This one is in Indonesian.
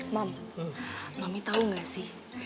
mam mami tau gak sih